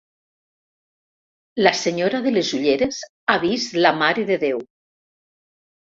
La senyora de les ulleres ha vist la Mare de Déu.